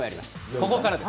ここからです。